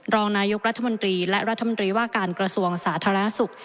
รองนายกรัฐมนตรีและรัฐมนตรีว่าการกระทรวงสาธารณสุข